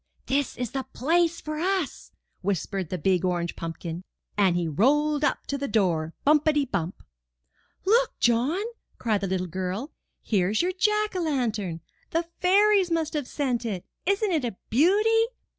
'*This is the place for us!" whispered the big orange pumpkin; and he rolled up to the door, bumpity bump ! Look, John!" cried the little girl, '^here's your jack o' lantern ! The fairies must have sent it. Isn't it a beauty?"